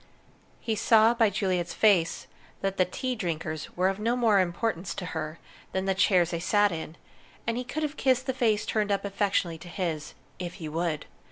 He saw by Juliet's face that the tea drinkers were of no more importance to her than the chairs they sat in, and he could have kissed the face turned up affectionately to his if he would.